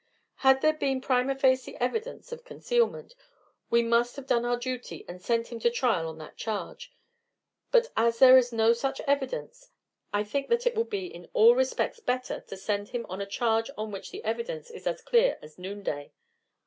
Had there been prima facie evidence of concealment, we must have done our duty and sent him to trial on that charge; but as there is no such evidence, I think that it will be in all respects better to send him on a charge on which the evidence is as clear as noonday.